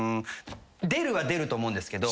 出るは出ると思うんですけど。